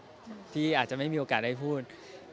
แล้วพี่อาจไม่มีโอกาสได้พูด